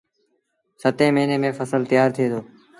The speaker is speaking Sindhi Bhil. ستيٚن مهيني ميݩ ڦسل تيآر ٿئيٚ دو